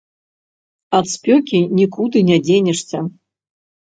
Ад спёкі нікуды не дзенешся.